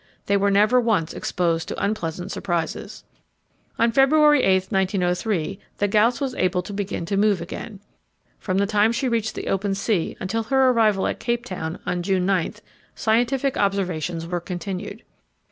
They were never once exposed to unpleasant surprises. On February 8, 1903, the Gauss was able to begin to move again. From the time she reached the open sea until her arrival at Cape Town on June 9, scientific observations were continued.